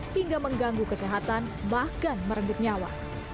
hingga mengganggu kesehatan bahkan merenggut nyawa